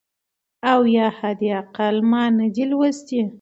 او یا حد اقل ما نه دی لوستی .